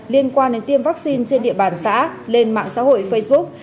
liên quan đến tiêm vaccine trên địa bàn xã lên mạng xã hội facebook